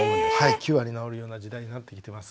９割治るような時代になってきてます。